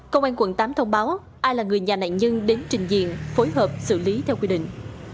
công an quận tám thông báo ai là người nhà nạn nhân đến trình diện phối hợp xử lý theo quy định